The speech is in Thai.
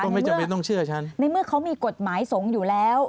ไม่จำเป็นต้องเชื่อฉันในเมื่อเขามีกฎหมายสงฆ์อยู่แล้ว